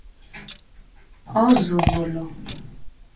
Ọzubụlụ